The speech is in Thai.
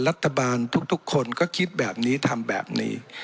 รัฐบาลทุกคนก็คิดแบบนี้ทำแบบนี้